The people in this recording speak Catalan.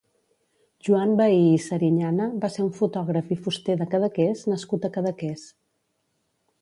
Joan Vehí i Serinyana va ser un fotògraf i fuster de Cadaqués nascut a Cadaqués.